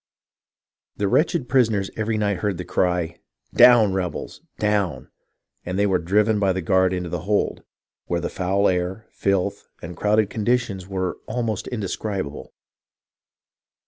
The wretched prisoners every night heard the cry, " Down, rebels ! down !" and then were driven by the guards into the hold, where the foul air, filth, and crowded conditions were almost indescribable.